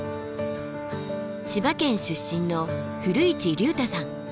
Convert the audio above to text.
千葉県出身の古市竜太さん。